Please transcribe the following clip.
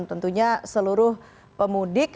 tentunya seluruh pemudik